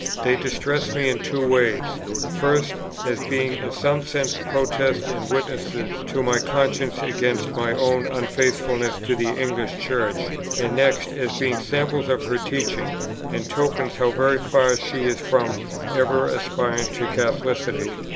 They distress me in two ways: first, as being in some sense protests and witnesses to my conscience against my own unfaithfulness to the English Church, and next, as being samples of her teaching, and tokens how very far she is from even aspiring to Catholicity.